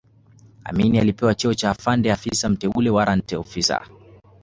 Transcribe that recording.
Amin alipewa cheo cha Afande Afisa Mteule warrant officer